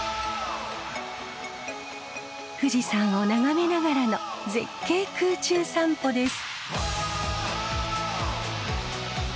富士山を眺めながらの絶景空中散歩です。